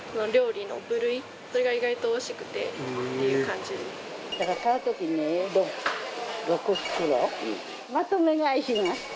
それが意外とおいしくてっていう感じです。